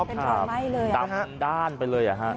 ใช่เป็นพวกมั้ยเลยอ่ะ